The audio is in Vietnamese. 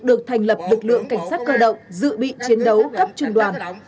được thành lập lực lượng cảnh sát cơ động dự bị chiến đấu cấp trung đoàn